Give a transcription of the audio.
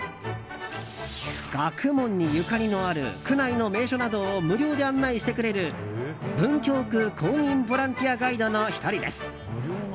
学問にゆかりのある区内の名所などを無料で案内してくれる文京区公認ボランティアガイドの１人です。